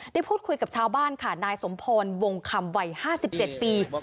ได้พูดคุยกับชาวบ้านค่ะนายสมพรวงคำวัย๕๗ปี